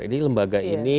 ini lembaga ini